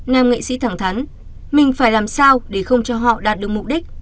nam nghệ sĩ thẳng thắn mình phải làm sao để không cho họ đạt được mục đích